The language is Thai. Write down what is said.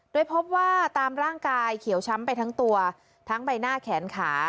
โดยพบว่าตามร่างกายเขียวช้ำไปทั้งตัวทั้งใบหน้าแขนขา